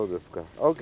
ＯＫ！